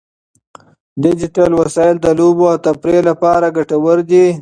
ډیجیټل وسایل د لوبو او تفریح لپاره ګټور دي.